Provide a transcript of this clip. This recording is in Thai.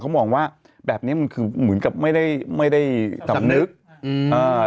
เขามองว่าแบบเนี้ยมันคือเหมือนกับไม่ได้ไม่ได้สำนึกอืมอ่า